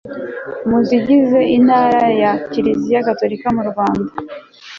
mu zigize intara ya kiliziya gatolika mu rwanda